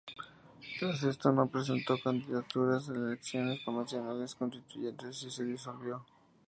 Tras esto no presentó candidaturas en las elecciones de convencionales constituyentes y se disolvió.